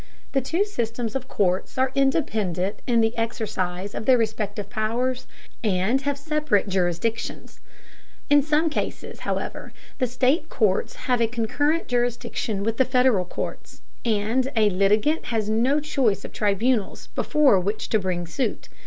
The two systems of courts are independent in the exercise of their respective powers, and have separate jurisdictions. In some cases, however, the state courts have a concurrent jurisdiction with the Federal courts, and a litigant has a choice of tribunals before which to bring suit.